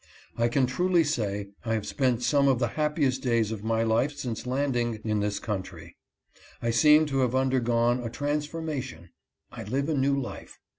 I can truly say I have spent some of the happiest days of my life since landing in this coun try. I seem to have undergone a transformation. I live a new life.